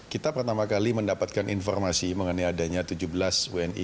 kita pertama kali mendapatkan informasi mengenai adanya tujuh belas wni